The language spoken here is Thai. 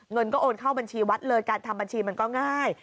เงินก็โอนเข้าบัญชีวัดเลยการทำบัญชีมันก็ง่าย